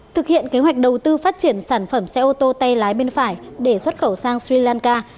thực hiện kế hoạch đầu tư phát triển sản phẩm xe ô tô tay lái bên phải để xuất khẩu sang sri lanka